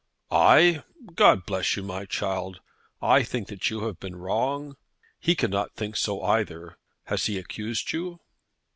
"I! God bless you, my child. I think that you have been wrong! He cannot think so either. Has he accused you?"